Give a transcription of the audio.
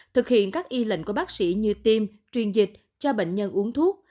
thực hiện các y lệnh của bác sĩ như tiêm truyền dịch cho bệnh nhân uống thuốc